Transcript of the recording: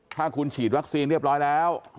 ถ้าคุณฉีดวัคซีนเรียบร้อยแล้ว